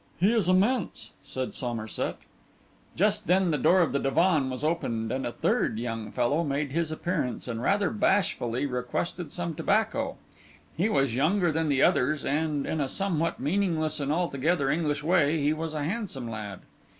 'He is immense,' said Somerset. Just then the door of the divan was opened, and a third young fellow made his appearance, and rather bashfully requested some tobacco. He was younger than the others; and, in a somewhat meaningless and altogether English way, he was a handsome lad.